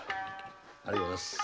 ありがとうございます。